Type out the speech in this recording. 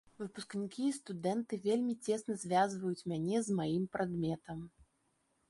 Выпускнікі і студэнты вельмі цесна звязваюць мяне з маім прадметам.